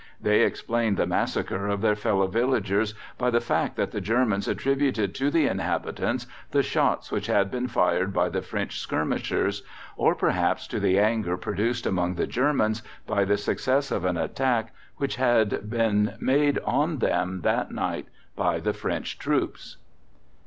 They explained the massacre of their fellow villagers by the fact that the Germans attributed to the inhabitants the shots which had been fired by the French skirmishers, or perhaps to the anger produced among the Germans by the success of an attack which had been made on them that night by the French troops.